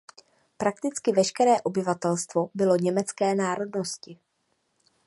Prakticky veškeré obyvatelstvo bylo německé národnosti.